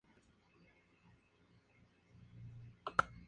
Hijo de Eduardo Sepúlveda Whittle y Dominga Muñoz Leiva.